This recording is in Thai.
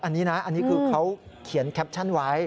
อันนี้นะอันนี้คือเขาเขียนแคปชั่นไว้